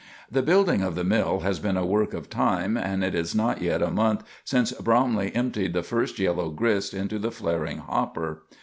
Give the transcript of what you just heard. The building of the mill has been a work of time, and it is not yet a month since Bromley emptied the first yellow grist into the flaring hopper.